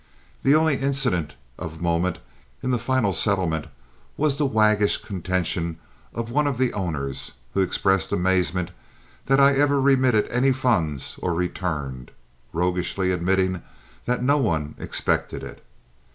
The only incident of moment in the final settlement was the waggish contention of one of the owners, who expressed amazement that I ever remitted any funds or returned, roguishly admitting that no one expected it.